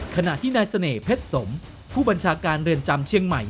ขณะที่นายเสน่หเพชรสมผู้บัญชาการเรือนจำเชียงใหม่